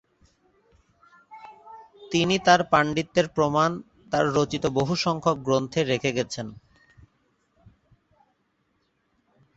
তিনি তার পাণ্ডিত্যের প্রমাণ তার রচিত বহুসংখ্যক গ্রন্থে রেখে গেছেন।